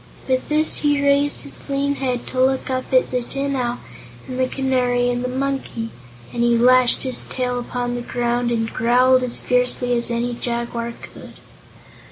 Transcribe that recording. With this he raised his lean head to look up at the Tin Owl and the Canary and the Monkey, and he lashed his tail upon the ground and growled as fiercely as any jaguar could.